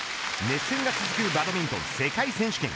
熱戦が続くバトミントン世界選手権。